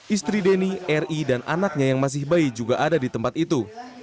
istri deni ri dan anaknya yang masih bayi juga ada di tempat itu